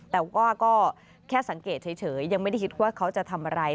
แต่ว่าก็แค่สังเกตเฉยยังไม่ได้คิดว่าเขาจะทำอะไร